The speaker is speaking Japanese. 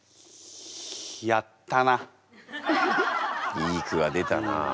いい句が出たな。